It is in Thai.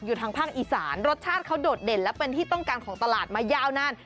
ทางภาคอีสานรสชาติเขาโดดเด่นและเป็นที่ต้องการของตลาดมายาวนาน